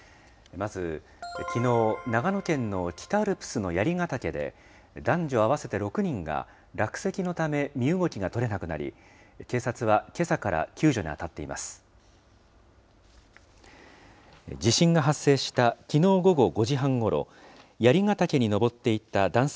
まずきのう、長野県の北アルプスの槍ヶ岳で、男女合わせて６人が落石のため、身動きが取れなくなり、警察はけさから救助に当たっています。